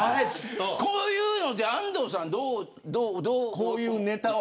こういうのは安藤さんはどう。